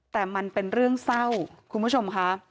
แต่มันเป็นเรื่องเศร้าคุณผู้ชมค่ะ